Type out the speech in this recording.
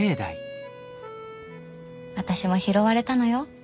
私も拾われたのよ